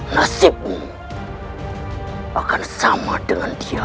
nasibku akan sama dengan dia